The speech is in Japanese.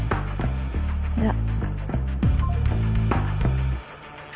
じゃあ。